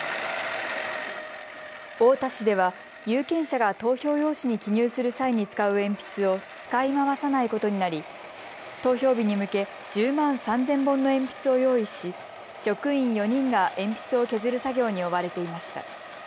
太田市では有権者が投票用紙に記入する際に使う鉛筆を使い回さないことになり投票日に向け１０万３０００本の鉛筆を用意し職員４人が鉛筆を削る作業に追われていました。